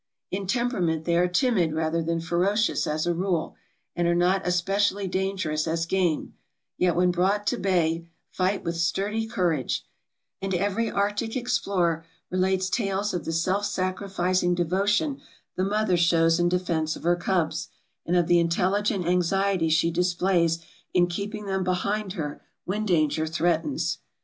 In temperament they are timid rather than ferocious, as a rule, and are not especially dangerous as game, yet when brought to bay fight with sturdy courage; and every arctic explorer relates tales of the self sacrificing devotion the mother shows in defence of her cubs, and of the intelligent anxiety she displays in keeping them behind her when danger threatens.